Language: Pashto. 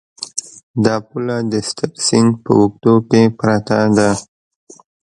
دا پوله د ستر سیند په اوږدو کې پرته ده.